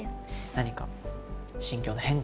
何か心境の変化などは？